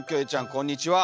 こんにちは。